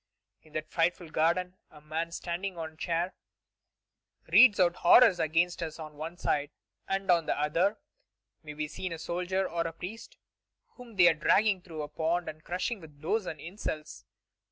In that frightful garden a man standing on a chair reads out horrors against us on one side, and on the other may be seen a soldier or a priest whom they are dragging through a pond, and crushing with blows and insults.